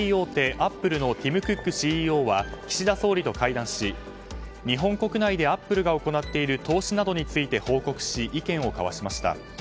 アップルのティム・クックＣＥＯは岸田総理と会談し日本国内でアップルが行っている投資などについて報告し意見を交わしました。